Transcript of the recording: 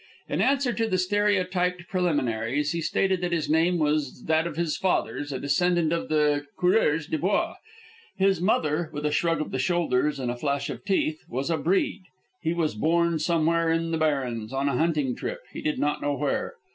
In answer to the stereotyped preliminaries he stated that his name was that of his father's, a descendant of the coureurs du bois. His mother with a shrug of the shoulders and flash of teeth was a breed. He was born somewhere in the Barrens, on a hunting trip, he did not know where.